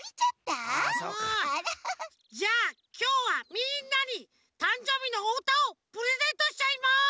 じゃあきょうはみんなにたんじょうびのおうたをプレゼントしちゃいます！